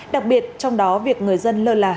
đặc biệt trong đó việc người dân lơ là